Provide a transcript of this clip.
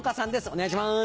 お願いします。